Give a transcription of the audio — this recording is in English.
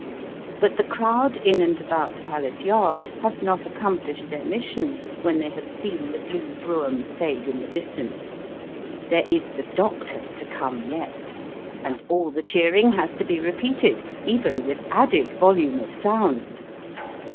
But the crowd in and about Palace Yard have not accomplished their mission when they have seen the blue brougham fade in the distance. There is the "Doctor" to come yet, and all the cheering has to be repeated, even with added volume of sound.